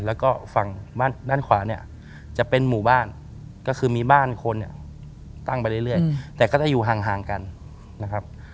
แล้วก็ฝั่งบ้านด้านขวาเนี่ยจะเป็นหมู่บ้านก็คือมีบ้านคนเนี่ยตั้งไปเรื่อยแต่ก็จะอยู่ห่างกันนะครับ